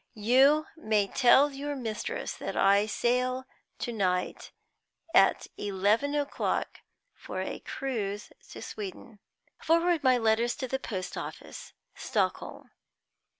You may tell your mistress that I sail to night at eleven o'clock for a cruise to Sweden. Forward my letters to the post office, Stockholm."